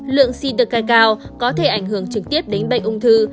lượng sideca cao có thể ảnh hưởng trực tiếp đến bệnh ung thư